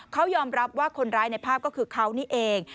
เขายอมรับว่าคนร้ายในภาพก็คือเขานี่เอง